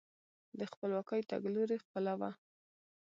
د خپلواکۍ تګلوري خپله وه.